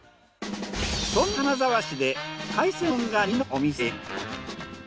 そんな金沢市で海鮮丼が人気のお店へ。